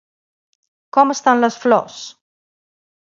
Com estan les flors?